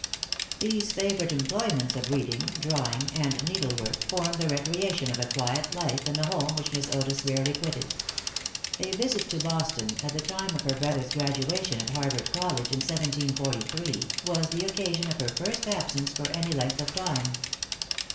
These favorite employments of reading, drawing and needle work, formed the recreation of a quiet life, in the home which Miss Otis rarely quitted. A visit to Boston, at the time of her brother's graduation at Harvard College, in 1743, was the occasion of her first absence for any length of time.